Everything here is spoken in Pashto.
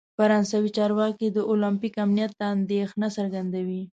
فرانسوي چارواکي د اولمپیک امنیت ته اندیښنه څرګندوي.